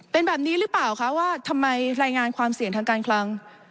เป็นแบบนี้หรือเปล่าคะว่าทำไมรายงานความเสี่ยงทางการคลัง